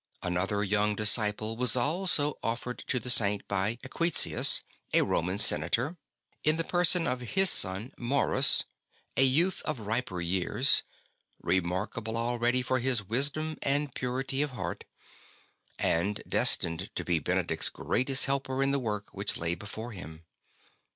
Another young disciple was also offered to the Saint by ^Equitius, a Roman senator, in the person of his son Maurus, a youth of riper years, remarkable already for his wisdom and purity of heart, and destined to be Benedict's greatest helper in the work which lay before him.